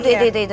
itu itu itu itu